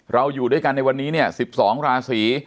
อยู่ด้วยกันในวันนี้เนี่ย๑๒ราศี